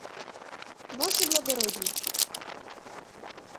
Ваше благородий!